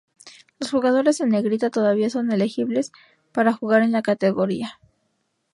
Los jugadores en Negrita todavía son elegibles para jugar en la categoría.